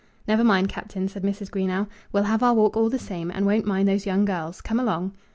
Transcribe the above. "Never mind, Captain," said Mrs. Greenow. "We'll have our walk all the same, and won't mind those young girls. Come along."